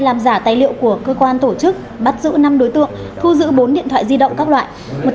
làm giả tài liệu của cơ quan tổ chức bắt giữ năm đối tượng thu giữ bốn điện thoại di động các loại